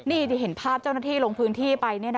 นี่ที่เห็นภาพเจ้าหน้าที่ลงพื้นที่ไป